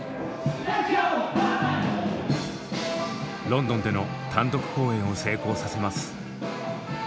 ロンドンでの単独公演を成功させます。